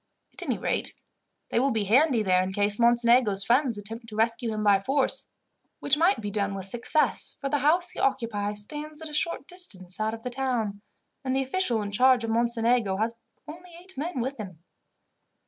At any rate, they will be handy there in case Mocenigo's friends attempt to rescue him by force, which might be done with success, for the house he occupies stands at a short distance out of the town, and the official in charge of Mocenigo has only eight men with him.